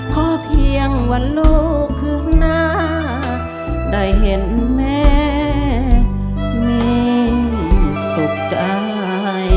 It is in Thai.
พอเพียงวันลูกคืนหน้าได้เห็นแม่มีสุขใจ